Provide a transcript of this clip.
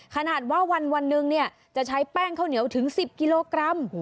ขนาดว่าวันหนึ่งจะใช้แป้งข้าวเหนียวถึง๑๐กิโลกรัม